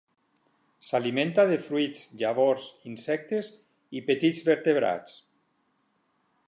S'alimenta de fruits, llavors, insectes i petits vertebrats.